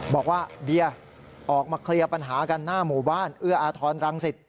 บอกว่าเบียร์ออกมาเคลียร์ปัญหากันหน้าหมู่บ้านเอื้ออาทรรังสิต